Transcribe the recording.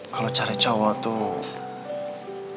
kalau cari cowok tuh